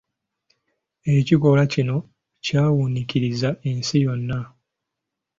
Ekikolwa kino kyawuniikirizza ensi yonna.